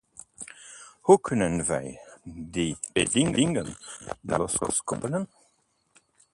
Hoe kunnen wij die twee dingen dan loskoppelen?